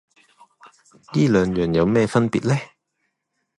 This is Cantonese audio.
依兩樣有咩分別呢？